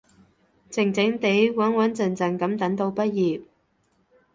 靜靜哋，穩穩陣陣噉等到畢業